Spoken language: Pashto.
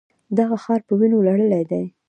دغه ښار په وینو لړلی دی.